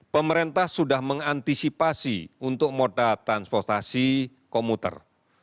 pemerintah sudah mengantisipasi untuk moda transportasi komuter